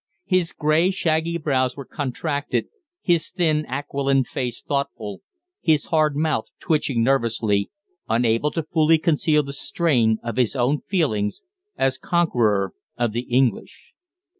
His grey, shaggy brows were contracted, his thin aquiline face thoughtful, his hard mouth twitching nervously, unable to fully conceal the strain of his own feelings as conqueror of the English.